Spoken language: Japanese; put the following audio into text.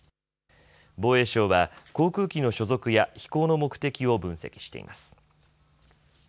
防衛省は航空機の所属や飛行の目的を分析しています。